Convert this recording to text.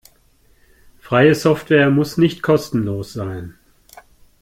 Freie Software muss nicht kostenlos sein.